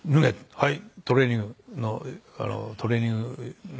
「はいトレーニングのトレーニングに着替えなさい」。